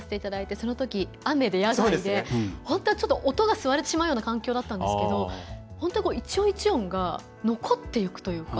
そのときは雨で野外で本当はちょっと音が吸われてしまうような環境だったんですけど本当に一音一音が残っていくというか。